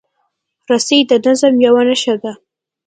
رسۍ د نظم یوه نښه ده.